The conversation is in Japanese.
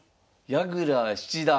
矢倉七段。